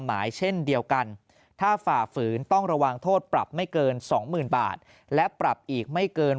หมายเช่นเดียวกันถ้าฝ่าฝืนต้องระวังโทษปรับไม่เกิน๒๐๐๐บาทและปรับอีกไม่เกิน